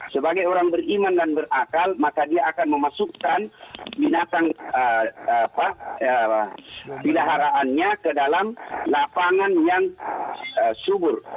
sebagai orang beriman dan berakal maka dia akan memasukkan binatang pilaharaannya ke dalam lapangan yang subur